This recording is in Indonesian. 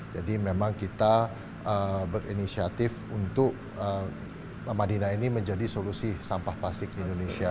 jadi memang kita berinisiatif untuk amandina ini menjadi solusi sampah plastik di indonesia